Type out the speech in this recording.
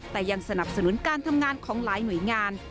แต่ยังสนับสนุนการทำงานของหลายหน่วยงาน